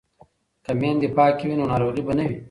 که میندې پاکې وي نو ناروغي به نه وي.